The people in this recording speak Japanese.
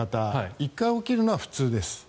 １回起きるのは普通です。